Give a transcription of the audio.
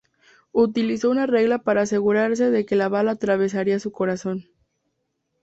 Utilizó una regla para asegurarse de que la bala atravesaría su corazón.